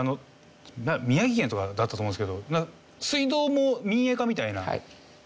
宮城県とかだったと思うんですけど水道も民営化みたいなやってましたよね。